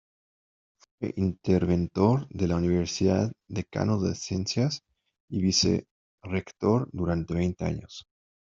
Fue interventor de la Universidad, decano de Ciencias y vicerrector durante veinte años.